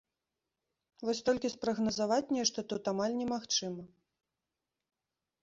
Вось толькі спрагназаваць нешта тут амаль немагчыма.